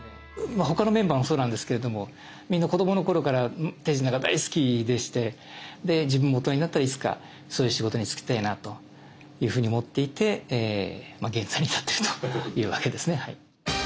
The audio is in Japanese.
他のメンバーもそうなんですけれどもみんな子どもの頃から手品が大好きでして自分も大人になったらいつかそういう仕事に就きたいなというふうに思っていて現在に至っているというわけですねはい。